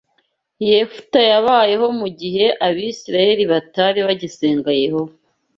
Yefuta yabayeho mu gihe Abisirayeli batari bagisenga Yehova